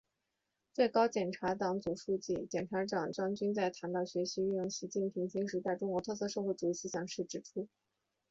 最高检党组书记、检察长张军在谈到学习运用习近平新时代中国特色社会主义思想时指出